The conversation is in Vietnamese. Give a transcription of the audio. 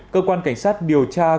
cơ quan cảnh sát điều tra